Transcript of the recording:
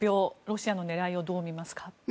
ロシアの狙いをどう見ますか。